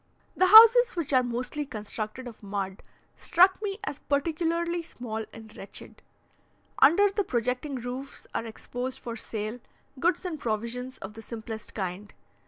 The houses, which are mostly constructed of mud, struck me as particularly small and wretched. Under the projecting roofs are exposed for sale goods and provisions of the simplest kind.